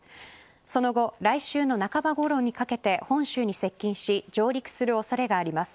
その後、来週の半ば頃にかけて本州に接近し上陸する恐れがあります。